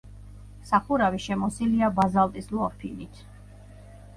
სახურავი შემოსილია ბაზალტის ლორფინით.